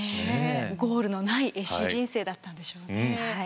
ゴールのない絵師人生だったんでしょうね。